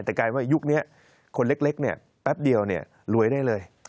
แต่กลายว่ายุคนี้คนเล็กเนี่ยแป๊บเดียวรวยได้เลย